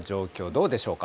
どうでしょうか。